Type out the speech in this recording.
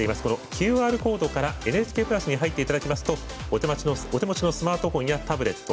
ＱＲコードからＮＨＫプラスに入っていただきますとお手持ちのスマートフォンやタブレット